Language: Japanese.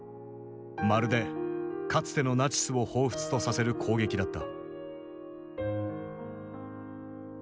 まるでかつてのナチスを彷彿とさせる攻撃だった。